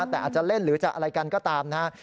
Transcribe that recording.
แต่อาจจะเล่นหรือจะอะไรกันก็ตามนะครับ